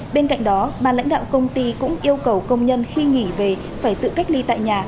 bên cạnh đó bà lãnh đạo công ty cũng yêu cầu công nhân khi nghỉ về phải tự cách ly tại nhà